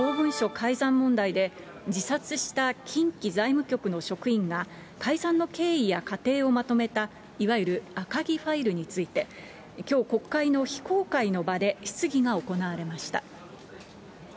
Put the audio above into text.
改ざん問題で、自殺した近畿財務局の職員が、改ざんの経緯や過程をまとめたいわゆる赤木ファイルについて、きょう、国会の非公開の場で質疑が行われました。